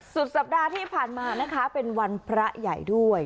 สุดสัปดาห์ที่ผ่านมานะคะเป็นวันพระใหญ่ด้วย